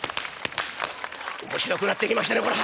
「面白くなってきましたねこれ。